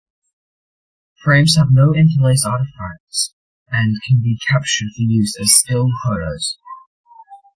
Frames have no interlace artifacts and can be captured for use as still photos.